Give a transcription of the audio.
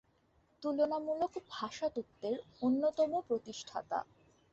তুলনামূলক ভাষাতত্ত্বের অন্যতম প্রতিষ্ঠাতা।